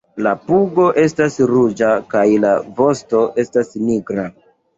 La pugo estas ruĝa kaj la vosto estas nigra.